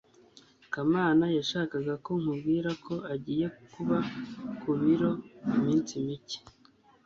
kamana yashakaga ko nkubwira ko agiye kuba ku biro iminsi mike